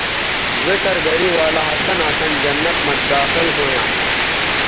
ذکر گرے ولہ ہسن ہسن جنت مہ داخل ھویانݜ